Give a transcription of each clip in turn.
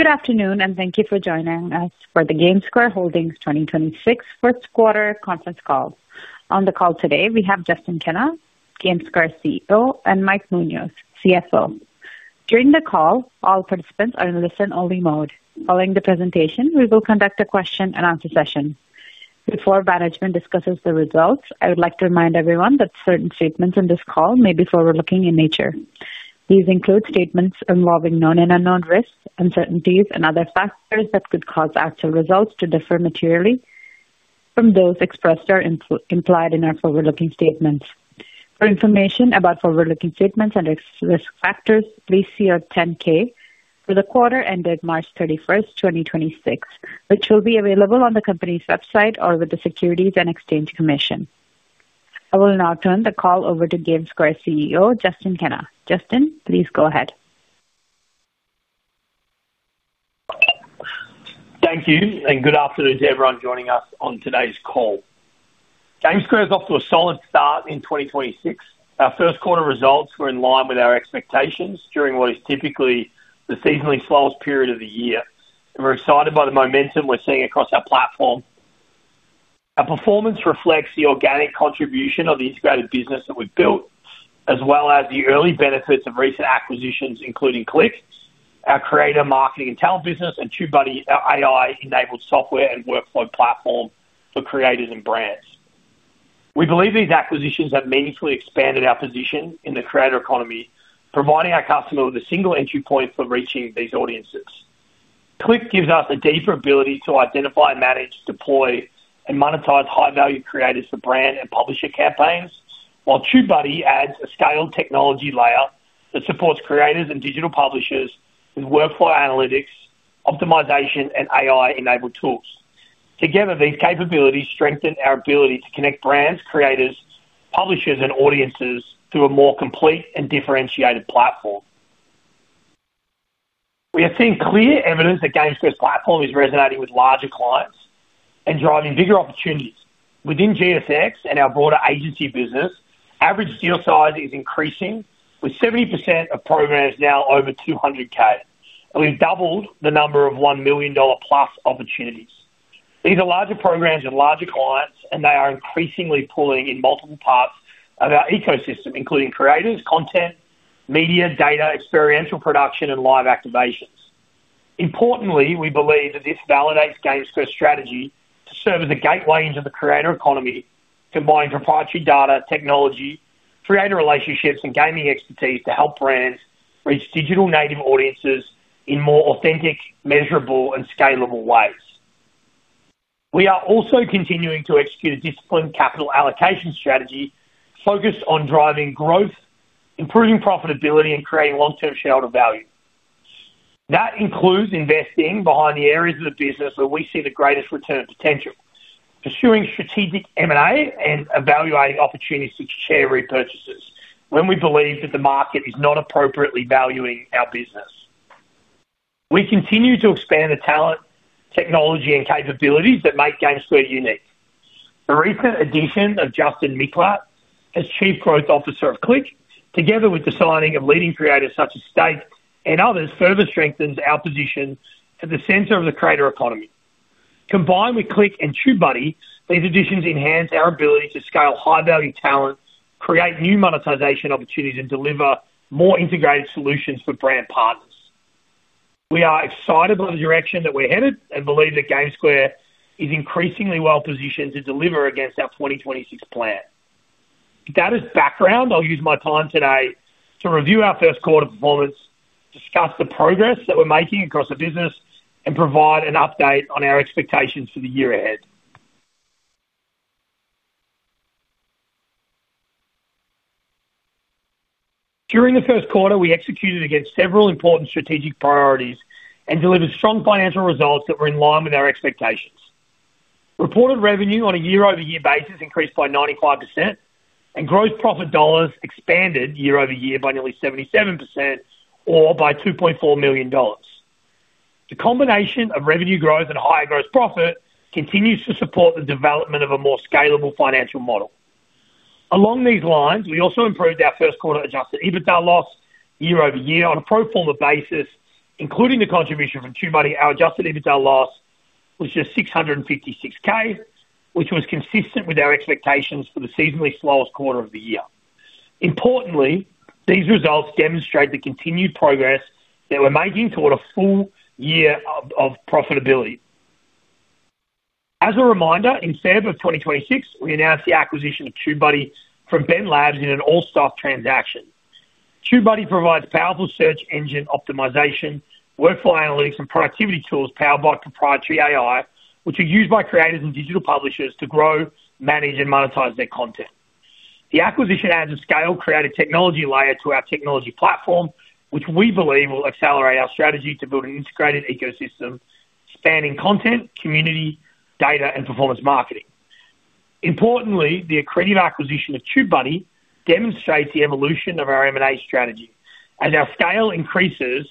Good afternoon, thank you for joining us for the GameSquare Holdings 2026 First Quarter Conference Call. On the call today, we have Justin Kenna, GameSquare CEO, and Mike Munoz, CFO. During the call, all participants are in listen-only mode. Following the presentation, we will conduct a question-and-answer session. Before management discusses the results, I would like to remind everyone that certain statements in this call may be forward-looking in nature. These include statements involving known and unknown risks, uncertainties, and other factors that could cause actual results to differ materially from those expressed or implied in our forward-looking statements. For information about forward-looking statements and risk factors, please see our 10-K for the quarter ended March 31st, 2026, which will be available on the company's website or with the Securities and Exchange Commission. I will now turn the call over to GameSquare CEO, Justin Kenna. Justin, please go ahead. Thank you, and good afternoon to everyone joining us on today's call. GameSquare is off to a solid start in 2026. Our first quarter results were in line with our expectations during what is typically the seasonally slowest period of the year. We're excited by the momentum we're seeing across our platform. Our performance reflects the organic contribution of the integrated business that we've built, as well as the early benefits of recent acquisitions, including Click, our creator marketing intel business, and TubeBuddy, our AI-enabled software and workflow platform for creators and brands. We believe these acquisitions have meaningfully expanded our position in the creator economy, providing our customer with a single entry point for reaching these audiences. Click gives us a deeper ability to identify, manage, deploy, and monetize high-value creators for brand and publisher campaigns, while TubeBuddy adds a scaled technology layer that supports creators and digital publishers with workflow analytics, optimization, and AI-enabled tools. Together, these capabilities strengthen our ability to connect brands, creators, publishers, and audiences through a more complete and differentiated platform. We have seen clear evidence that GameSquare's platform is resonating with larger clients and driving bigger opportunities. Within GSX and our broader agency business, average deal size is increasing, with 70% of programs now over $200,000. We've doubled the number of $1 million+ opportunities. These are larger programs and larger clients, and they are increasingly pulling in multiple parts of our ecosystem, including creatives, content, media, data, experiential production, and live activations. Importantly, we believe that this validates GameSquare's strategy to serve as a gateway into the creator economy, combining proprietary data, technology, creator relationships, and gaming expertise to help brands reach digital native audiences in more authentic, measurable, and scalable ways. We are also continuing to execute a disciplined capital allocation strategy focused on driving growth, improving profitability, and creating long-term shareholder value. That includes investing behind the areas of the business where we see the greatest return potential, pursuing strategic M&A, and evaluating opportunities for share repurchases when we believe that the market is not appropriately valuing our business. We continue to expand the talent, technology, and capabilities that make GameSquare unique. The recent addition of Justin Miclat as Chief Growth Officer of Click, together with the signing of leading creators such as Steak and others, further strengthens our position at the center of the creator economy. Combined with Click and TubeBuddy, these additions enhance our ability to scale high-value talent, create new monetization opportunities, and deliver more integrated solutions for brand partners. We are excited by the direction that we're headed and believe that GameSquare is increasingly well-positioned to deliver against our 2026 plan. That is background. I'll use my time today to review our first quarter performance, discuss the progress that we're making across the business, and provide an update on our expectations for the year ahead. During the first quarter, we executed against several important strategic priorities and delivered strong financial results that were in line with our expectations. Reported revenue on a year-over-year basis increased by 95%, and gross profit dollars expanded year-over-year by nearly 77% or by $2.4 million. The combination of revenue growth and higher gross profit continues to support the development of a more scalable financial model. Along these lines, we also improved our first quarter adjusted EBITDA loss year-over-year on a pro forma basis, including the contribution from TubeBuddy. Our adjusted EBITDA loss was just $656,000, which was consistent with our expectations for the seasonally slowest quarter of the year. Importantly, these results demonstrate the continued progress that we're making toward a full year of profitability. As a reminder, in February of 2026, we announced the acquisition of TubeBuddy from BEN Group in an all-stock transaction. TubeBuddy provides powerful search engine optimization, workflow analytics, and productivity tools powered by proprietary AI, which are used by creators and digital publishers to grow, manage, and monetize their content. The acquisition adds a scale creative technology layer to our technology platform, which we believe will accelerate our strategy to build an integrated ecosystem spanning content, community, data, and performance marketing. Importantly, the accretive acquisition of TubeBuddy demonstrates the evolution of our M&A strategy. As our scale increases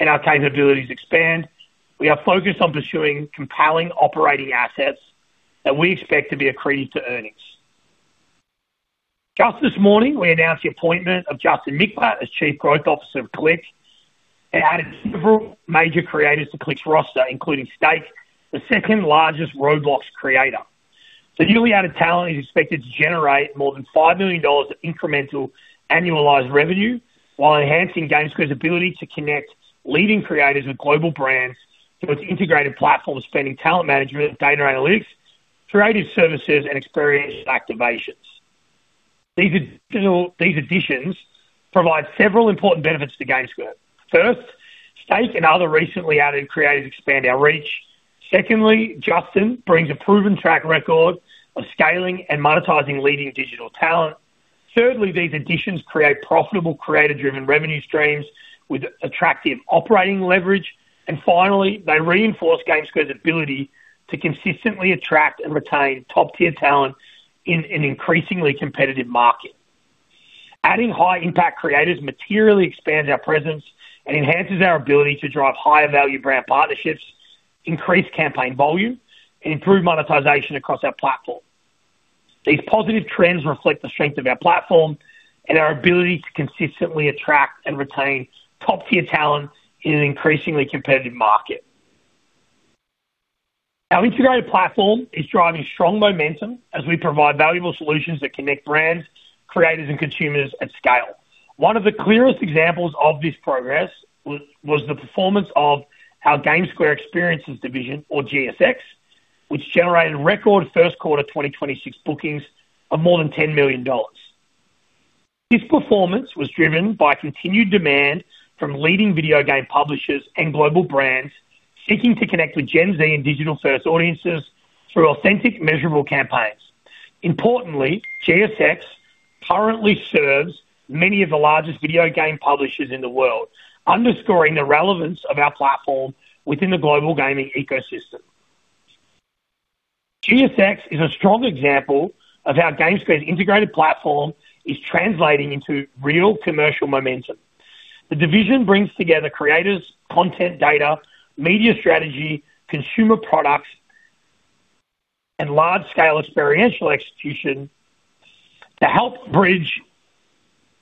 and our capabilities expand, we are focused on pursuing compelling operating assets that we expect to be accretive to earnings. Just this morning, we announced the appointment of Justin Miclat as Chief Growth Officer of Click. It added several major creators to Click's roster, including Steak, the second-largest Roblox creator. The newly added talent is expected to generate more than $5 million of incremental annualized revenue while enhancing GameSquare's ability to connect leading creators with global brands through its integrated platform spanning talent management, data analytics, creative services, and experienced activations. These additions provide several important benefits to GameSquare. First, Steak and other recently added creators expand our reach. Secondly, Justin brings a proven track record of scaling and monetizing leading digital talent. Thirdly, these additions create profitable creator-driven revenue streams with attractive operating leverage. Finally, they reinforce GameSquare's ability to consistently attract and retain top-tier talent in an increasingly competitive market. Adding high-impact creators materially expands our presence and enhances our ability to drive higher-value brand partnerships, increase campaign volume, and improve monetization across our platform. These positive trends reflect the strength of our platform and our ability to consistently attract and retain top-tier talent in an increasingly competitive market. Our integrated platform is driving strong momentum as we provide valuable solutions that connect brands, creators, and consumers at scale. One of the clearest examples of this progress was the performance of our GameSquare Experiences division, or GSX, which generated record first-quarter 2026 bookings of more than $10 million. This performance was driven by continued demand from leading video game publishers and global brands seeking to connect with Gen Z and digital-first audiences through authentic, measurable campaigns. Importantly, GSX currently serves many of the largest video game publishers in the world, underscoring the relevance of our platform within the global gaming ecosystem. GSX is a strong example of how GameSquare's integrated platform is translating into real commercial momentum. The division brings together creators, content data, media strategy, consumer products, and large-scale experiential execution to help bridge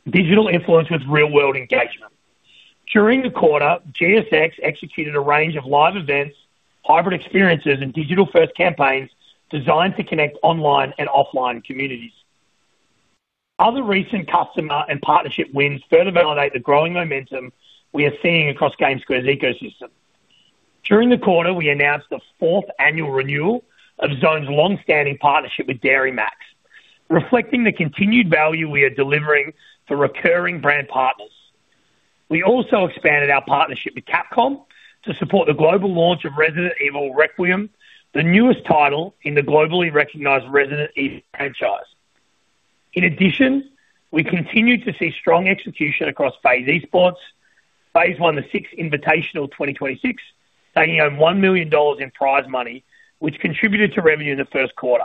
digital influence with real-world engagement. During the quarter, GSX executed a range of live events, hybrid experiences, and digital-first campaigns designed to connect online and offline communities. Other recent customer and partnership wins further validate the growing momentum we are seeing across GameSquare's ecosystem. During the quarter, we announced the fourth annual renewal of Zoned's longstanding partnership with Dairy MAX, reflecting the continued value we are delivering for recurring brand partners. We also expanded our partnership with Capcom to support the global launch of Resident Evil: Requiem, the newest title in the globally recognized Resident Evil franchise. We continue to see strong execution across FaZe Esports, FaZe Clan The Six Invitational 2026, taking on $1 million in prize money, which contributed to revenue in the first quarter.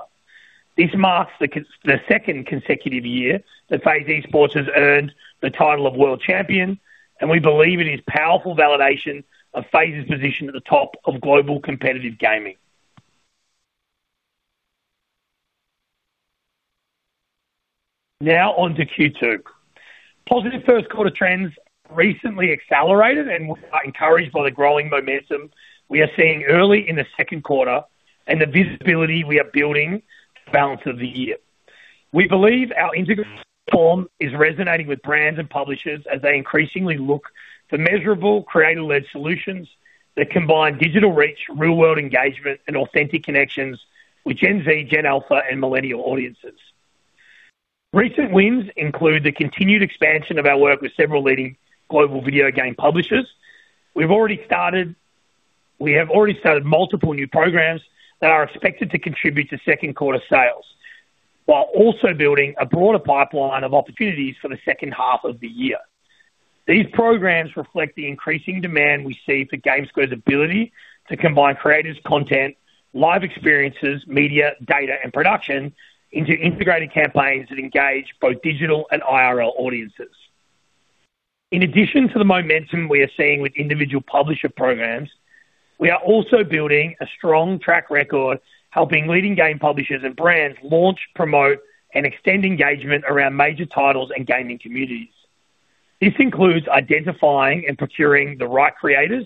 This marks the second consecutive year that FaZe Esports has earned the title of world champion. We believe it is powerful validation of FaZe's position at the top of global competitive gaming. On to Q2. Positive first quarter trends recently accelerated, and we are encouraged by the growing momentum we are seeing early in the second quarter and the visibility we are building for the balance of the year. We believe our integrated platform is resonating with brands and publishers as they increasingly look for measurable, creator-led solutions that combine digital reach, real-world engagement, and authentic connections with Gen Z, Gen Alpha, and millennial audiences. Recent wins include the continued expansion of our work with several leading global video game publishers. We have already started multiple new programs that are expected to contribute to second quarter sales, while also building a broader pipeline of opportunities for the second half of the year. These programs reflect the increasing demand we see for GameSquare's ability to combine creators, content, live experiences, media, data, and production into integrated campaigns that engage both digital and IRL audiences. In addition to the momentum we are seeing with individual publisher programs, we are also building a strong track record helping leading game publishers and brands launch, promote, and extend engagement around major titles and gaming communities. This includes identifying and procuring the right creators,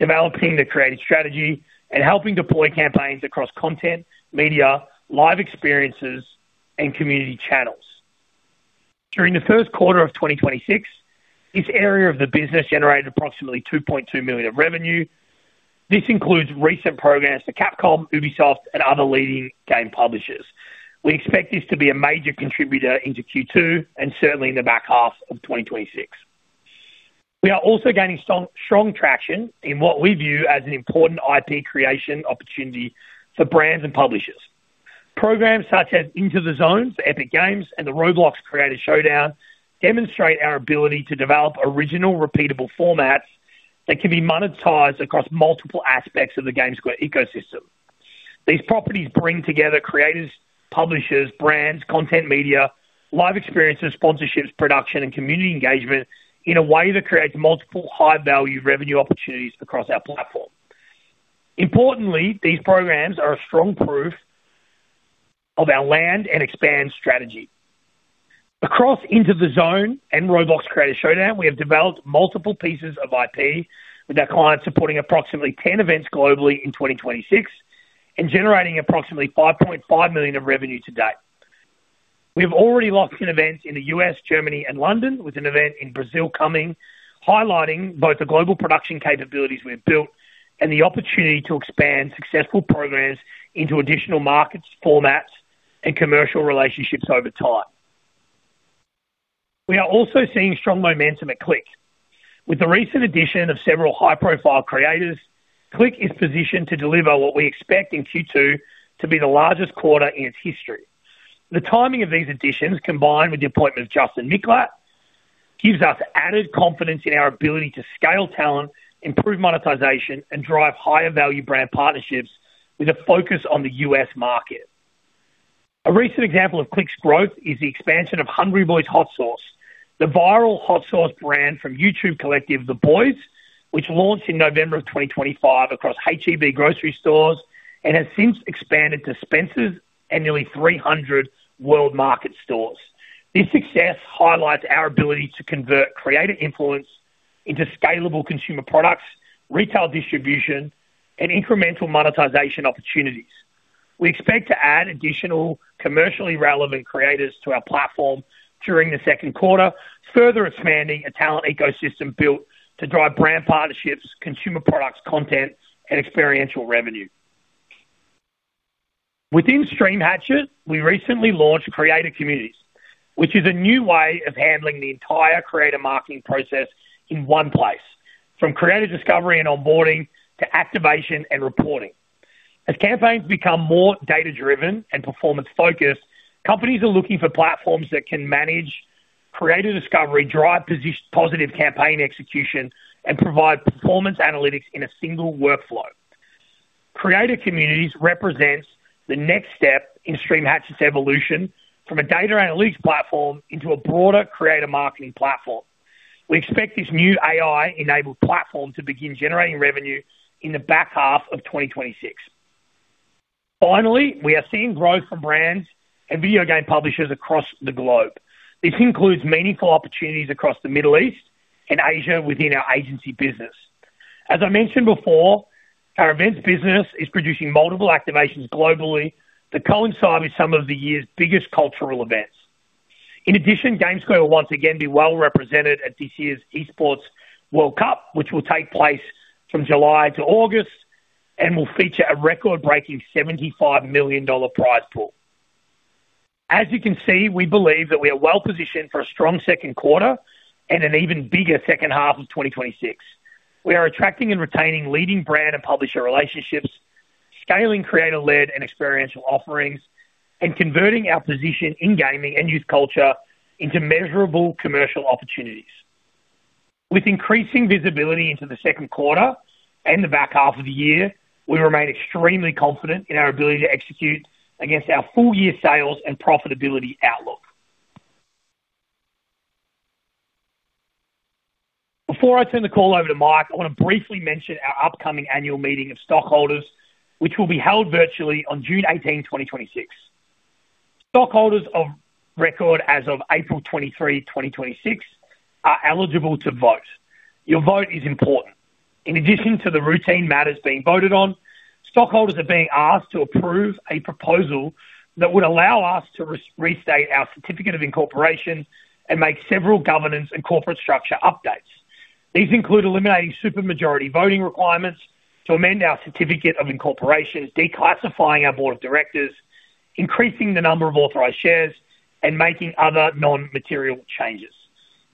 developing the creative strategy, and helping deploy campaigns across content, media, live experiences, and community channels. During the first quarter of 2026, this area of the business generated approximately $2.2 million of revenue. This includes recent programs for Capcom, Ubisoft, and other leading game publishers. We expect this to be a major contributor into Q2 and certainly in the back half of 2026. We are also gaining strong traction in what we view as an important IP creation opportunity for brands and publishers. Programs such as Into The Zone, Epic Games, and the Roblox Creator Showdown demonstrate our ability to develop original, repeatable formats that can be monetized across multiple aspects of the GameSquare ecosystem. These properties bring together creators, publishers, brands, content media, live experiences, sponsorships, production, and community engagement in a way that creates multiple high-value revenue opportunities across our platform. Importantly, these programs are a strong proof of our land and expand strategy. Across Into The Zone and Roblox Creator Showdown, we have developed multiple pieces of IP with our clients supporting approximately 10 events globally in 2026 and generating approximately $5.5 million of revenue to date. We have already locked in events in the U.S., Germany, and London, with an event in Brazil coming, highlighting both the global production capabilities we've built and the opportunity to expand successful programs into additional markets, formats, and commercial relationships over time. We are also seeing strong momentum at Click. With the recent addition of several high-profile creators, Click is positioned to deliver what we expect in Q2 to be the largest quarter in its history. The timing of these additions, combined with the appointment of Justin Miclat, gives us added confidence in our ability to scale talent, improve monetization, and drive higher value brand partnerships with a focus on the U.S. market. A recent example of Click's growth is the expansion of Hungryboy Hot Sauce, the viral hot sauce brand from YouTube collective The Boys, which launched in November of 2025 across H-E-B grocery stores and has since expanded to Spencer's and nearly 300 World Market stores. This success highlights our ability to convert creator influence into scalable consumer products, retail distribution, and incremental monetization opportunities. We expect to add additional commercially relevant creators to our platform during the second quarter, further expanding a talent ecosystem built to drive brand partnerships, consumer products, content, and experiential revenue. Within Stream Hatchet, we recently launched Creator Communities, which is a new way of handling the entire creator marketing process in one place, from creative discovery and onboarding to activation and reporting. As campaigns become more data-driven and performance-focused, companies are looking for platforms that can manage creative discovery, drive positive campaign execution, and provide performance analytics in a single workflow. Creator Communities represents the next step in Stream Hatchet's evolution from a data analytics platform into a broader creator marketing platform. We expect this new AI-enabled platform to begin generating revenue in the back half of 2026. We are seeing growth from brands and video game publishers across the globe. This includes meaningful opportunities across the Middle East and Asia within our agency business. As I mentioned before, our events business is producing multiple activations globally that coincide with some of the year's biggest cultural events. In addition, GameSquare will once again be well-represented at this year's Esports World Cup, which will take place from July to August and will feature a record-breaking $75 million prize pool. As you can see, we believe that we are well-positioned for a strong second quarter and an even bigger second half of 2026. We are attracting and retaining leading brand and publisher relationships, scaling creator-led and experiential offerings, and converting our position in gaming and youth culture into measurable commercial opportunities. With increasing visibility into the second quarter and the back half of the year, we remain extremely confident in our ability to execute against our full-year sales and profitability outlook. Before I turn the call over to Mike, I want to briefly mention our upcoming annual meeting of stockholders, which will be held virtually on June 18, 2026. Stockholders of record as of April 23, 2026 are eligible to vote. Your vote is important. In addition to the routine matters being voted on, stockholders are being asked to approve a proposal that would allow us to restate our certificate of incorporation and make several governance and corporate structure updates. These include eliminating super majority voting requirements to amend our certificate of incorporation, declassifying our board of directors, increasing the number of authorized shares, and making other non-material changes.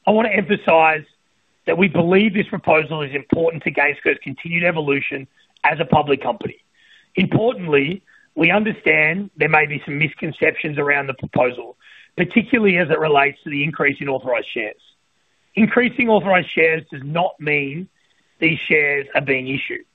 I want to emphasize that we believe this proposal is important to GameSquare's continued evolution as a public company. Importantly, we understand there may be some misconceptions around the proposal, particularly as it relates to the increase in authorized shares. Increasing authorized shares does not mean these shares are being issued,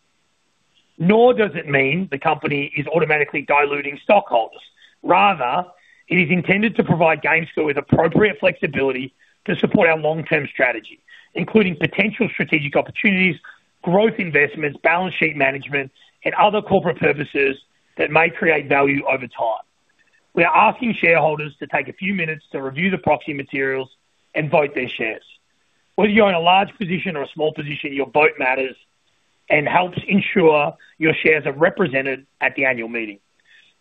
nor does it mean the company is automatically diluting stockholders. Rather, it is intended to provide GameSquare with appropriate flexibility to support our long-term strategy, including potential strategic opportunities, growth investments, balance sheet management, and other corporate purposes that may create value over time. We are asking shareholders to take a few minutes to review the proxy materials and vote their shares. Whether you own a large position or a small position, your vote matters and helps ensure your shares are represented at the annual meeting.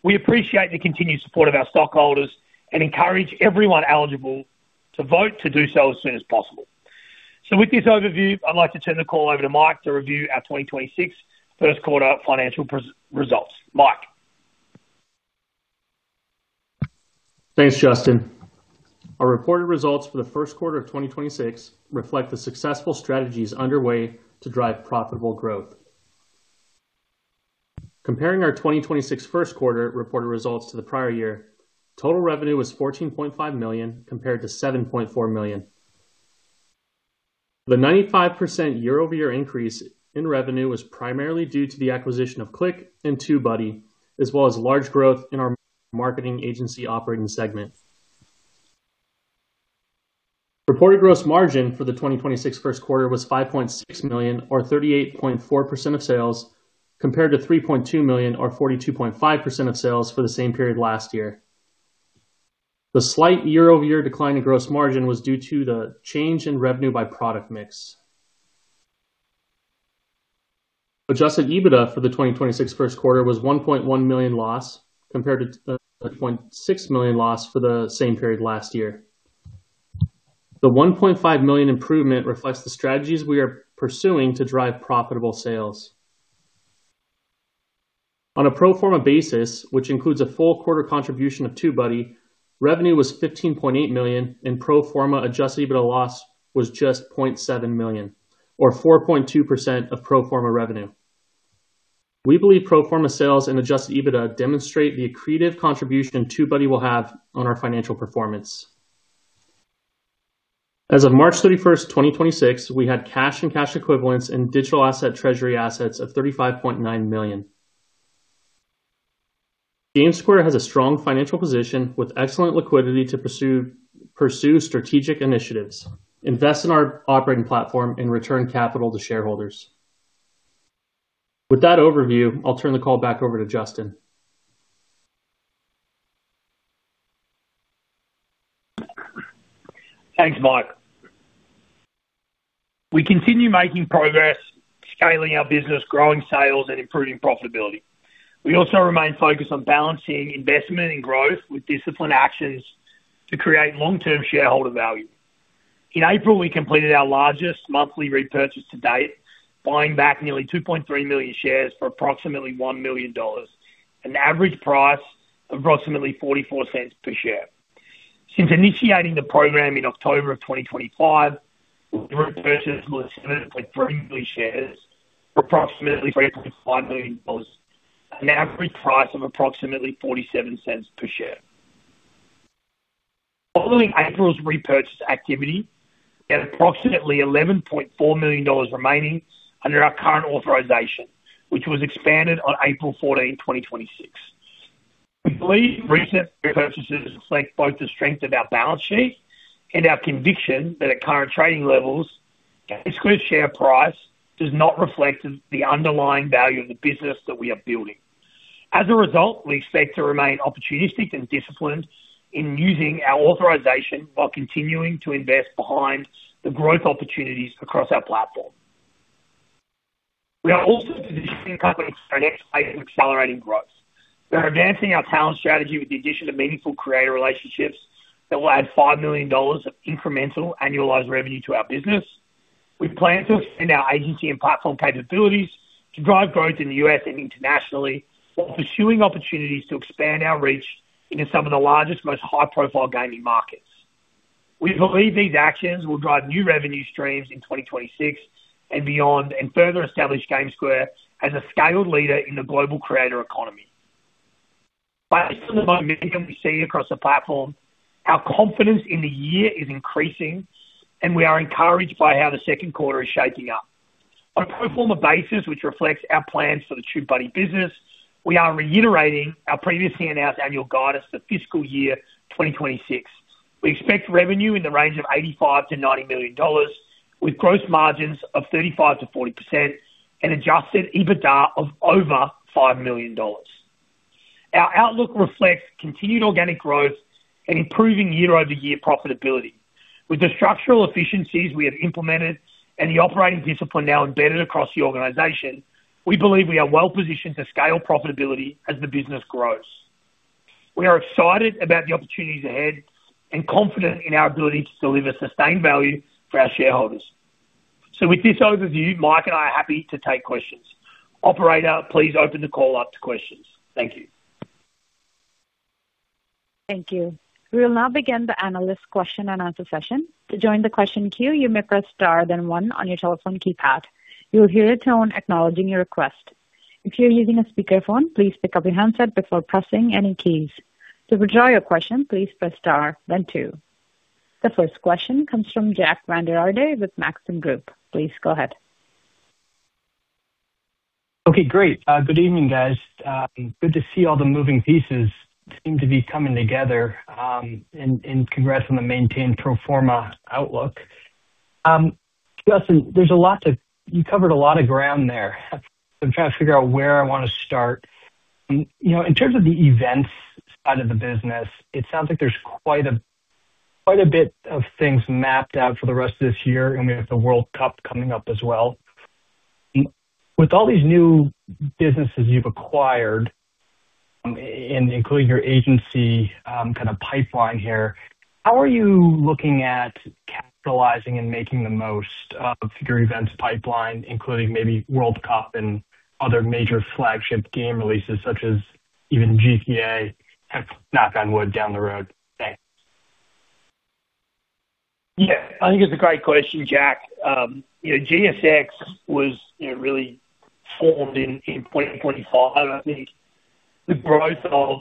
We appreciate the continued support of our stockholders and encourage everyone eligible to vote to do so as soon as possible. With this overview, I'd like to turn the call over to Mike to review our 2026 first quarter financial results. Mike? Thanks, Justin. Our reported results for the first quarter of 2026 reflect the successful strategies underway to drive profitable growth. Comparing our 2026 first quarter reported results to the prior year, total revenue was $14.5 million compared to $7.4 million. The 95% year-over-year increase in revenue was primarily due to the acquisition of Click and TubeBuddy, as well as large growth in our marketing agency operating segment. Reported gross margin for the 2026 first quarter was $5.6 million or 38.4% of sales, compared to $3.2 million or 42.5% of sales for the same period last year. The slight year-over-year decline in gross margin was due to the change in revenue by product mix. Adjusted EBITDA for the 2026 first quarter was $1.1 million loss compared to $1.6 million loss for the same period last year. The $1.5 million improvement reflects the strategies we are pursuing to drive profitable sales. On a pro forma basis, which includes a full quarter contribution of TubeBuddy, revenue was $15.8 million and pro forma adjusted EBITDA loss was just $0.7 million or 4.2% of pro forma revenue. We believe pro forma sales and adjusted EBITDA demonstrate the accretive contribution TubeBuddy will have on our financial performance. As of March 31st, 2026, we had cash and cash equivalents in digital asset treasury assets of $35.9 million. GameSquare has a strong financial position with excellent liquidity to pursue strategic initiatives, invest in our operating platform and return capital to shareholders. With that overview, I'll turn the call back over to Justin. Thanks, Mike. We continue making progress, scaling our business, growing sales and improving profitability. We also remain focused on balancing investment and growth with disciplined actions to create long-term shareholder value. In April, we completed our largest monthly repurchase to date, buying back nearly 2.3 million shares for approximately $1 million, an average price of approximately $0.44 per share. Since initiating the program in October of 2025, we repurchased 11.3 million shares for approximately $3.5 million, an average price of approximately $0.47 per share. Following April's repurchase activity, we had approximately $11.4 million remaining under our current authorization, which was expanded on April 14, 2026. We believe recent repurchases reflect both the strength of our balance sheet and our conviction that at current trading levels, GameSquare's share price does not reflect the underlying value of the business that we are building. We expect to remain opportunistic and disciplined in using our authorization while continuing to invest behind the growth opportunities across our platform. We are also positioning the company for our next phase of accelerating growth. We are advancing our talent strategy with the addition of meaningful creator relationships that will add $5 million of incremental annualized revenue to our business. We plan to extend our agency and platform capabilities to drive growth in the U.S. and internationally, while pursuing opportunities to expand our reach into some of the largest, most high-profile gaming markets. We believe these actions will drive new revenue streams in 2026 and beyond, and further establish GameSquare as a scaled leader in the global creator economy. Based on the momentum we see across the platform, our confidence in the year is increasing, and we are encouraged by how the second quarter is shaping up. On a pro forma basis, which reflects our plans for the TubeBuddy business, we are reiterating our previously announced annual guidance for fiscal year 2026. We expect revenue in the range of $85 million-$90 million, with gross margins of 35%-40% and adjusted EBITDA of over $5 million. Our outlook reflects continued organic growth and improving year-over-year profitability. With the structural efficiencies we have implemented and the operating discipline now embedded across the organization, we believe we are well positioned to scale profitability as the business grows. We are excited about the opportunities ahead and confident in our ability to deliver sustained value for our shareholders. With this overview, Mike and I are happy to take questions. Operator, please open the call up to questions. Thank you. Thank you. The first question comes from Jack Vander Aarde with Maxim Group. Please go ahead. Okay, great. Good evening, guys. Good to see all the moving pieces seem to be coming together, and congrats on the maintained pro forma outlook. Justin, you covered a lot of ground there. I'm trying to figure out where I wanna start. You know, in terms of the events side of the business, it sounds like there's quite a bit of things mapped out for the rest of this year, and we have the World Cup coming up as well. With all these new businesses you've acquired, including your agency, kind of pipeline here, how are you looking at capitalizing and making the most of your events pipeline, including maybe World Cup and other major flagship game releases such as even GTA, knock on wood, down the road? Thanks. Yeah. I think it's a great question, Jack. You know, GSX was, you know, really formed in 2025. I think the growth of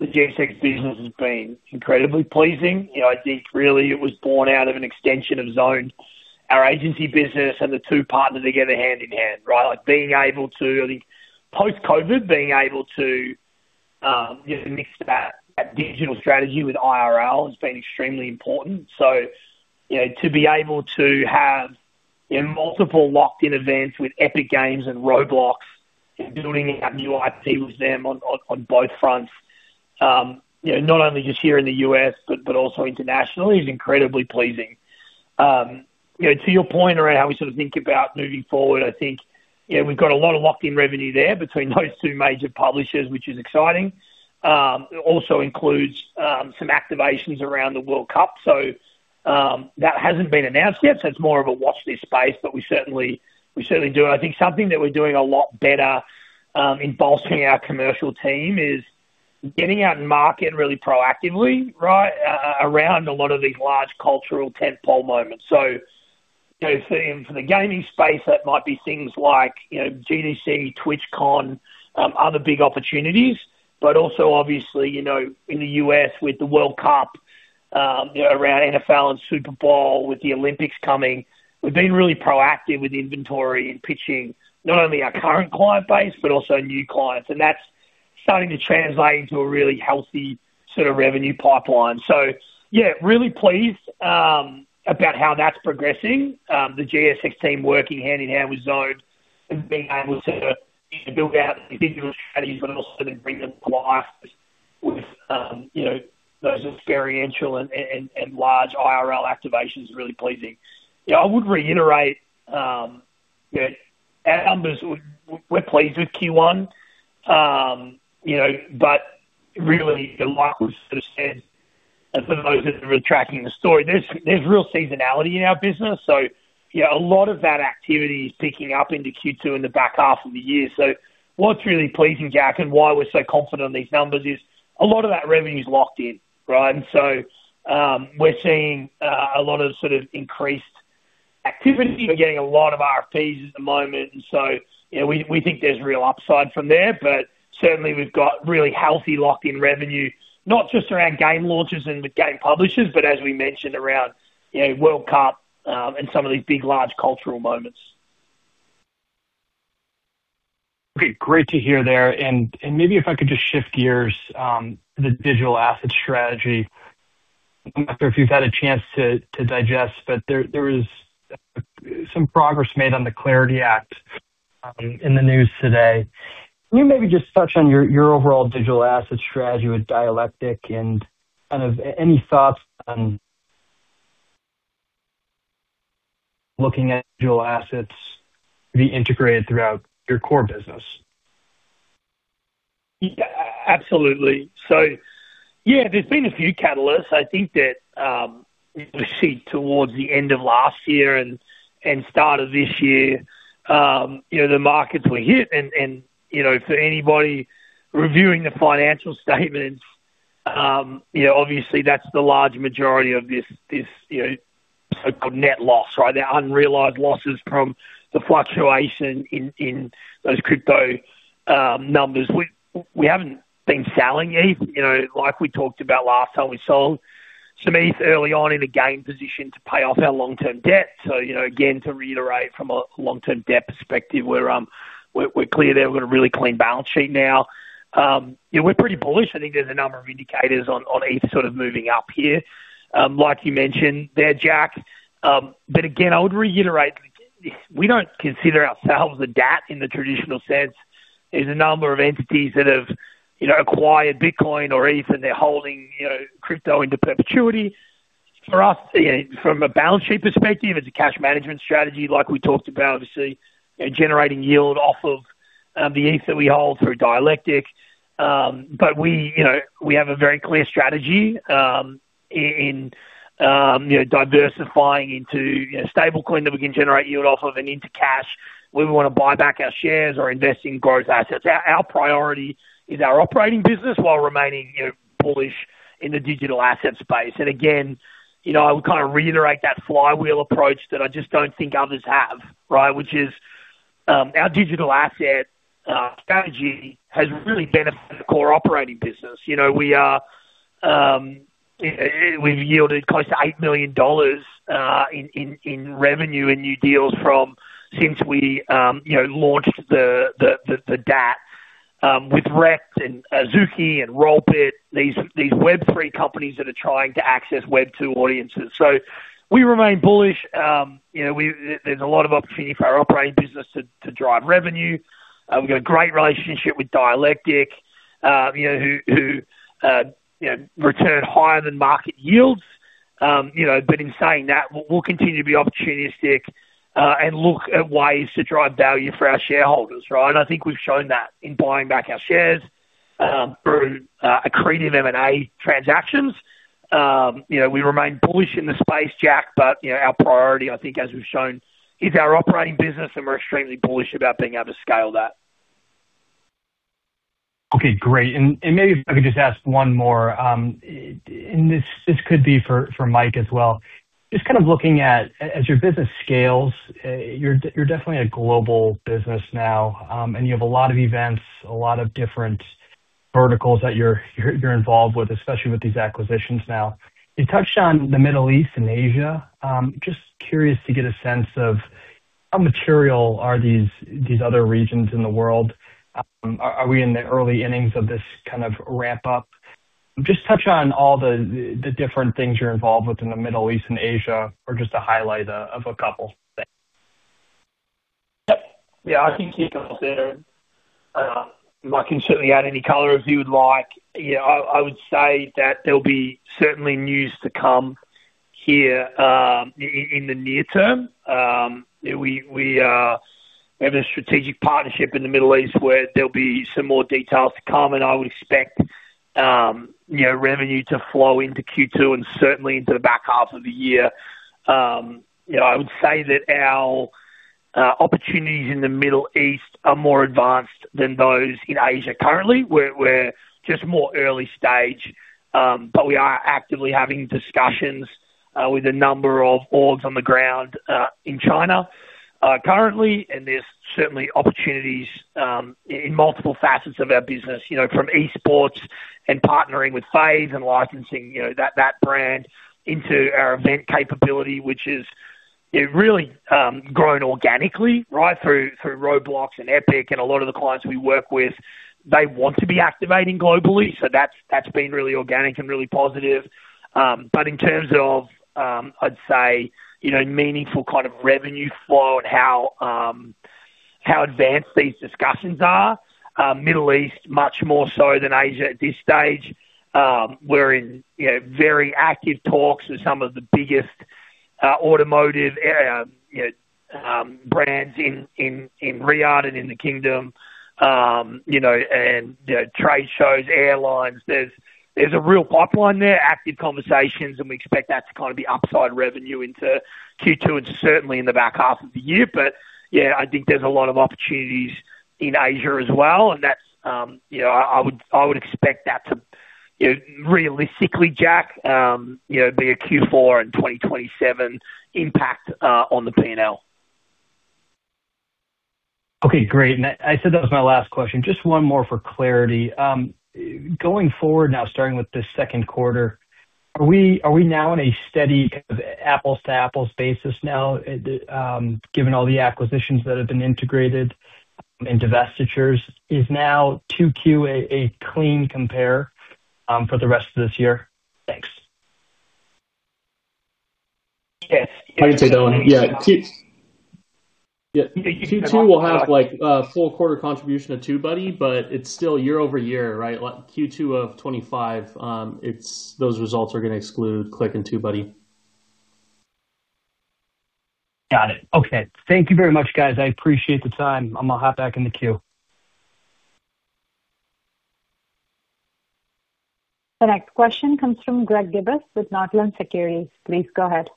the GSX business has been incredibly pleasing. You know, I think really it was born out of an extension of Zoned. Our agency business and the two partnered together hand in hand, right? Like I think post-COVID, just mix that digital strategy with IRL has been extremely important. You know, to be able to have, you know, multiple locked-in events with Epic Games and Roblox building out new IP with them on both fronts, you know, not only just here in the U.S. but also internationally is incredibly pleasing. You know, to your point around how we sort of think about moving forward, I think, you know, we've got a lot of locked-in revenue there between those two major publishers, which is exciting. It also includes some activations around the World Cup. That hasn't been announced yet, so it's more of a watch this space. We certainly do. I think something that we're doing a lot better in bolstering our commercial team is getting out in market really proactively, right, around a lot of these large cultural tentpole moments. You know, for the gaming space, that might be things like, you know, GDC, TwitchCon, other big opportunities, but also obviously, you know, in the U.S. with the World Cup, you know, around NFL and Super Bowl, with the Olympics coming. We've been really proactive with inventory and pitching not only our current client base, but also new clients. That's starting to translate into a really healthy sort of revenue pipeline. Yeah, really pleased about how that's progressing. The GSX team working hand-in-hand with Zoned and being able to, you know, build out individual strategies, but also to bring them to life with, you know, those experiential and large IRL activations is really pleasing. Yeah, I would reiterate that our numbers, we're pleased with Q1. You know, really, like we've sort of said, for those that are tracking the story, there's real seasonality in our business. Yeah, a lot of that activity is picking up into Q2 in the back half of the year. What's really pleasing, Jack, and why we're so confident in these numbers is a lot of that revenue is locked in, right? We're seeing a lot of sort of increased activity. We're getting a lot of RFPs at the moment. You know, we think there's real upside from there. Certainly we've got really healthy locked-in revenue, not just around game launches and with game publishers, but as we mentioned around, you know, World Cup, and some of these big, large cultural moments. Okay, great to hear there. Maybe if I could just shift gears to the digital asset strategy. I don't know if you've had a chance to digest, but there was some progress made on the CLARITY Act in the news today. Can you maybe just touch on your overall digital asset strategy with Dialectic and kind of any thoughts on looking at dual assets to be integrated throughout your core business? Yeah. Absolutely. Yeah, there's been a few catalysts. I think that, you know, we see towards the end of last year and start of this year, you know, the markets were hit and, you know, for anybody reviewing the financial statements, you know, obviously that's the large majority of this, you know, so-called net loss, right. The unrealized losses from the fluctuation in those crypto numbers. We haven't been selling ETH. You know, like we talked about last time, we sold some ETH early on in a gain position to pay off our long-term debt. You know, again, to reiterate from a long-term debt perspective, we're clear there. We've got a really clean balance sheet now. You know, we're pretty bullish. I think there's a number of indicators on ETH sort of moving up here, like you mentioned there, Jack. Again, I would reiterate, we don't consider ourselves a DAT in the traditional sense. There's a number of entities that have, you know, acquired Bitcoin or ETH, and they're holding, you know, crypto into perpetuity. For us, you know, from a balance sheet perspective, it's a cash management strategy like we talked about, obviously, you know, generating yield off of the ETH that we hold through Dialectic. We, you know, we have a very clear strategy in, you know, diversifying into, you know, stablecoin that we can generate yield off of and into cash, whether we wanna buy back our shares or invest in growth assets. Our priority is our operating business while remaining, you know, bullish in the digital asset space. Again, you know, I would kind of reiterate that flywheel approach that I just don't think others have, right? Which is, our digital asset strategy has really benefited the core operating business. You know, we've yielded close to $8 million in revenue and new deals from since we, you know, launched the DAT with Repz and Azuki and Rollbit, these Web3 companies that are trying to access Web 2.0 audiences. We remain bullish. You know, there's a lot of opportunity for our operating business to drive revenue. We've got a great relationship with Dialectic, you know, who, you know, return higher than market yields. You know, in saying that, we'll continue to be opportunistic, and look at ways to drive value for our shareholders, right? I think we've shown that in buying back our shares, through accretive M&A transactions. You know, we remain bullish in the space, Jack, but, you know, our priority, I think as we've shown, is our operating business, and we're extremely bullish about being able to scale that. Okay, great. Maybe if I could just ask one more. This could be for Mike as well. Just kind of looking at, as your business scales, you're definitely a global business now, and you have a lot of events, a lot of different verticals that you're involved with, especially with these acquisitions now. You touched on the Middle East and Asia. Just curious to get a sense of how material are these other regions in the world? Are we in the early innings of this kind of ramp up? Just touch on all the different things you're involved with in the Middle East and Asia or just a highlight of a couple. Yep. I can kick off there. I can certainly add any color if you would like. I would say that there'll be certainly news to come here in the near term. We have a strategic partnership in the Middle East where there'll be some more details to come, and I would expect, you know, revenue to flow into Q2 and certainly into the back half of the year. You know, I would say that our opportunities in the Middle East are more advanced than those in Asia currently. We're just more early stage, we are actively having discussions with a number of boards on the ground in China currently. There's certainly opportunities in multiple facets of our business, you know, from esports and partnering with FaZe and licensing, you know, that brand into our event capability, which is, you know, really grown organically, right? Through, through Roblox and Epic and a lot of the clients we work with, they want to be activating globally. That's, that's been really organic and really positive. In terms of, I'd say, you know, meaningful kind of revenue flow and how advanced these discussions are, Middle East much more so than Asia at this stage. We're in, you know, very active talks with some of the biggest automotive, you know, brands in Riyadh and in the Kingdom, and, you know, trade shows, airlines. There's a real pipeline there, active conversations, and we expect that to kind of be upside revenue into Q2 and certainly in the back half of the year. Yeah, I think there's a lot of opportunities in Asia as well. That's, you know, I would expect that to, you know, realistically, Jack, you know, be a Q4 in 2027 impact on the P&L. Okay, great. I said that was my last question. Just one more for clarity. Going forward now, starting with the second quarter, are we now in a steady kind of apples to apples basis now, given all the acquisitions that have been integrated and divestitures? Is now 2Q a clean compare for the rest of this year? Thanks. Yes. I can take that one. Yeah. Q2 will have like a full quarter contribution of TubeBuddy, but it's still year-over-year, right? Like Q2 of 25, those results are gonna exclude Click and TubeBuddy. Got it. Okay. Thank you very much, guys. I appreciate the time. I'm gonna hop back in the queue. The next question comes from Greg Gibas with Northland Securities. Please go ahead.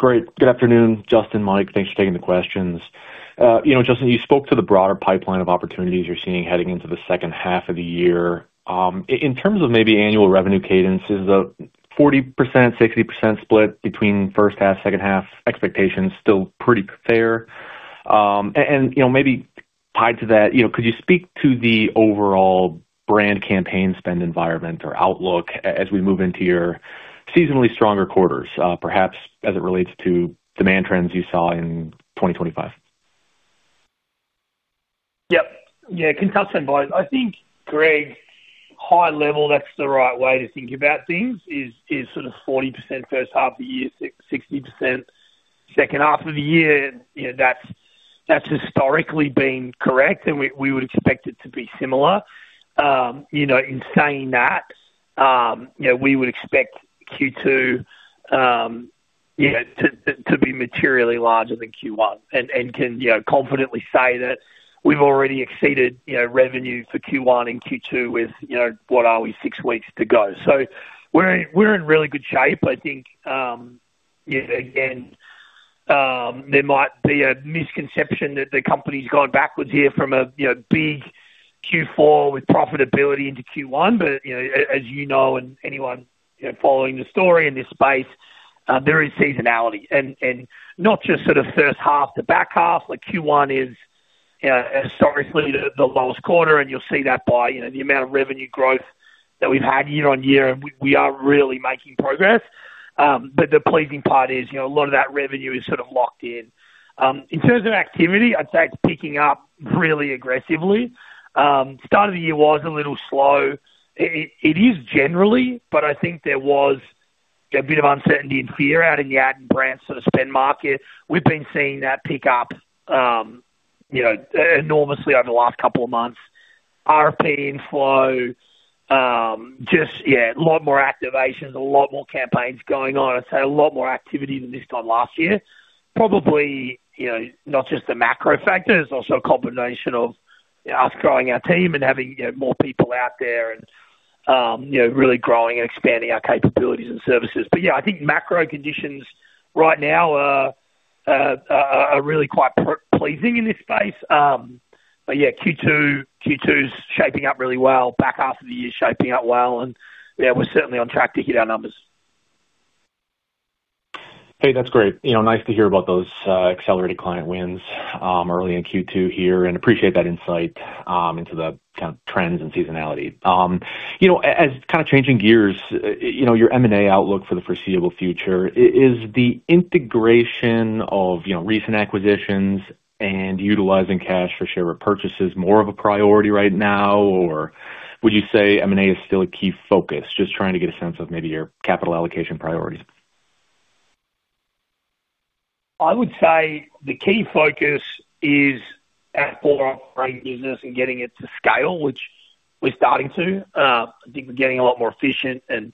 Great. Good afternoon, Justin, Mike. Thanks for taking the questions. You know, Justin, you spoke to the broader pipeline of opportunities you're seeing heading into the second half of the year. In terms of maybe annual revenue cadence, is a 40%, 60% split between first half, second half expectations still pretty fair? And, you know, maybe tied to that, you know, could you speak to the overall brand campaign spend environment or outlook as we move into your seasonally stronger quarters, perhaps as it relates to demand trends you saw in 2025? Yep. Yeah. Consistent buys. I think, Greg, high level, that's the right way to think about things, is sort of 40% first half of the year, 60% second half of the year. You know, that's historically been correct, and we would expect it to be similar. You know, in saying that, you know, we would expect Q2, you know, to be materially larger than Q1. Can, you know, confidently say that we've already exceeded, you know, revenue for Q1 and Q2 with, you know, what are we? six weeks to go. We're in really good shape. I think, you know, again, there might be a misconception that the company's gone backwards here from a, you know, big Q4 with profitability into Q1. You know, as you know, and anyone, you know, following the story in this space, there is seasonality and not just sort of first half to back half. Like Q1 is, you know, historically the lowest quarter, you'll see that by, you know, the amount of revenue growth that we've had year-over-year, we are really making progress. The pleasing part is, you know, a lot of that revenue is sort of locked in. In terms of activity, I'd say it's picking up really aggressively. Start of the year was a little slow. It is generally, I think there was a bit of uncertainty and fear out in the ad and brand sort of spend market. We've been seeing that pick up, you know, enormously over the last couple of months. RFP inflow, just, yeah, a lot more activations, a lot more campaigns going on. I'd say a lot more activity than this time last year. Probably, you know, not just the macro factor, it's also a combination of, you know, us growing our team and having, you know, more people out there and, you know, really growing and expanding our capabilities and services. Yeah, I think macro conditions right now are really quite pleasing in this space. Yeah, Q2's shaping up really well. Back half of the year's shaping up well. Yeah, we're certainly on track to hit our numbers. Hey, that's great. You know, nice to hear about those accelerated client wins early in Q2 here, and appreciate that insight into the kind of trends and seasonality. You know, as kinda changing gears, you know, your M&A outlook for the foreseeable future. Is the integration of, you know, recent acquisitions and utilizing cash for share repurchases more of a priority right now or would you say M&A is still a key focus? Just trying to get a sense of maybe your capital allocation priorities. I would say the key focus is our core operating business and getting it to scale, which we're starting to. I think we're getting a lot more efficient and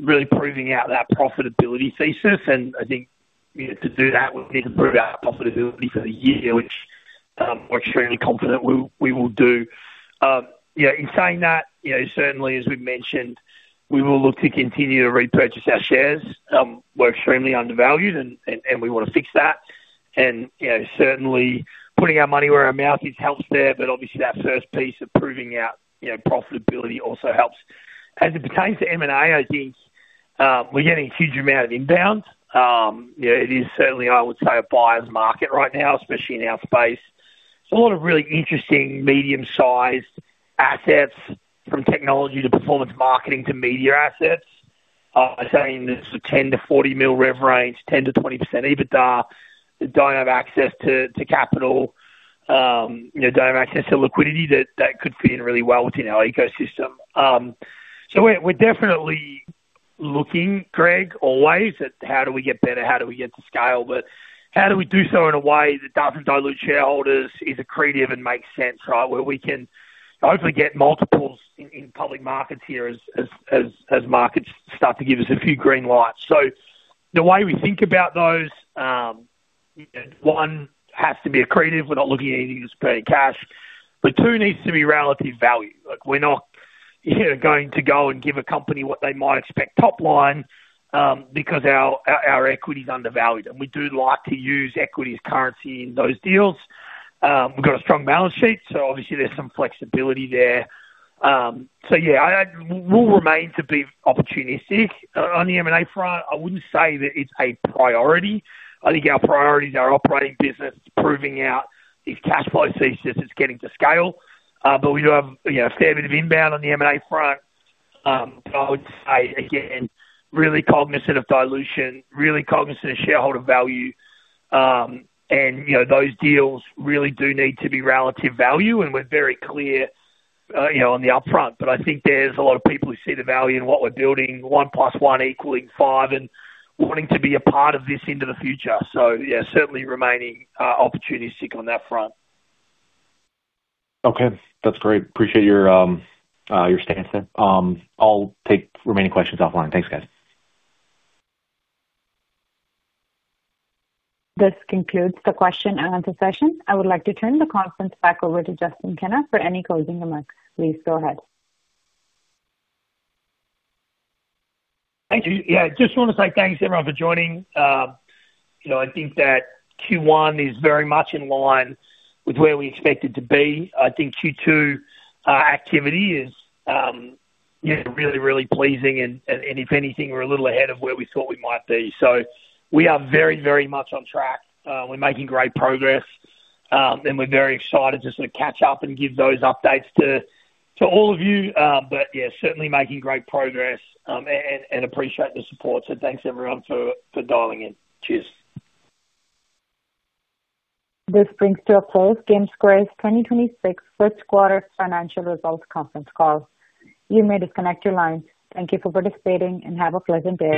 really proving out that profitability thesis. I think, you know, to do that, we need to prove our profitability for the year, which we're extremely confident we will do. You know, in saying that, you know, certainly as we've mentioned, we will look to continue to repurchase our shares. We're extremely undervalued and we want to fix that. You know, certainly putting our money where our mouth is helps there, but obviously that first piece of proving our, you know, profitability also helps. As it pertains to M&A, I think we're getting a huge amount of inbound. You know, it is certainly, I would say, a buyer's market right now, especially in our space. There's a lot of really interesting medium-sized assets from technology to performance marketing to media assets. Saying there's a $10 million-$40 million rev range, 10%-20% EBITDA that don't have access to capital, you know, don't have access to liquidity that could fit in really well within our ecosystem. We're definitely looking, Greg, always at how do we get better, how do we get to scale? How do we do so in a way that doesn't dilute shareholders, is accretive, and makes sense, right? Where we can hopefully get multiples in public markets here as markets start to give us a few green lights. The way we think about those, one, has to be accretive. We're not looking at anything that's paying cash. Two needs to be relative value. Like, we're not, you know, going to go and give a company what they might expect top line, because our, our equity is undervalued, and we do like to use equity as currency in those deals. We've got a strong balance sheet, so obviously there's some flexibility there. So yeah, I'll remain to be opportunistic on the M&A front. I wouldn't say that it's a priority. I think our priority is our operating business, proving out this cash flow thesis that's getting to scale. We do have, you know, a fair bit of inbound on the M&A front. I would say again, really cognizant of dilution, really cognizant of shareholder value. You know, those deals really do need to be relative value, and we're very clear, you know, on the upfront. I think there's a lot of people who see the value in what we're building, 1 + 1 equaling 5 and wanting to be a part of this into the future. Yeah, certainly remaining opportunistic on that front. Okay. That's great. Appreciate your stance there. I'll take remaining questions offline. Thanks, guys. This concludes the question-and-answer session. I would like to turn the conference back over to Justin Kenna for any closing remarks. Please go ahead. Thank you. Yeah, just wanna say thanks everyone for joining. You know, I think that Q1 is very much in line with where we expect it to be. I think Q2 activity is, you know, really pleasing and if anything, we're a little ahead of where we thought we might be. We are very much on track. We're making great progress and we're very excited to sort of catch up and give those updates to all of you. Yeah, certainly making great progress and appreciate the support. Thanks everyone for dialing in. Cheers. This brings to a close GameSquare's 2026 first quarter financial results conference call. You may disconnect your lines. Thank you for participating, and have a pleasant day.